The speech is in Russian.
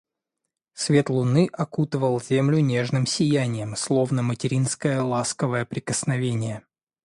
Свет луны окутывал землю нежным сиянием, словно материнское ласковое прикосновение.